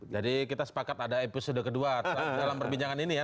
kita sepakat ada episode kedua dalam perbincangan ini ya